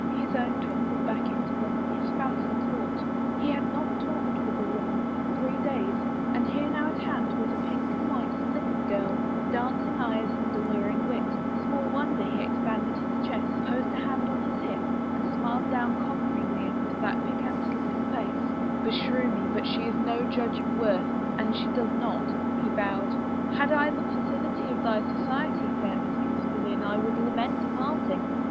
His own twinkled back into them, his 40 « "Flora in her bower,' said he." A ROSE AND SOME WORDS fancy caught He had not talked with a woman for three days and here now at hand was a pink and white slip of a girl with dancing eyes and alluring wit; small wonder he expanded his chest, posed a hand on his hip and smiled down conqueringly into that piquant little face. " Beshrew me, but she is no judge of worth an she does not," he vowed. " Had I the felicity of thy society, fair Mistress Boleyn, I would lament a parting!